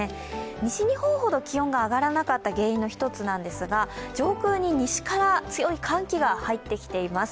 西日本ほど気温が上がらなかった原因の一つなんですが、上空に西から強い寒気が入ってきています。